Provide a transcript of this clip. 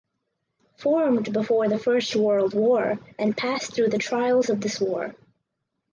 Formed before the First World War and passed through the trials of this war.